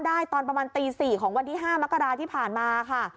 ได้ตอนประมาณตี๔ของแท่๕มกราศ์ที่ผ่านมาค่ะ